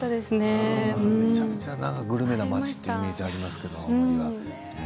めちゃくちゃグルメな町という感じがありますけれども。